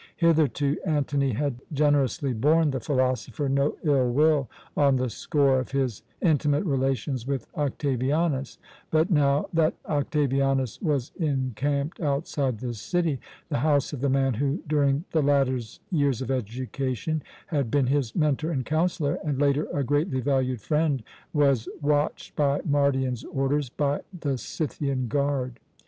Hitherto Antony had generously borne the philosopher no ill will on the score of his intimate relations with Octavianus; but now that Octavianus was encamped outside the city, the house of the man who, during the latter's years of education, had been his mentor and counsellor, and later a greatly valued friend, was watched, by Mardion's orders, by the Scythian guard.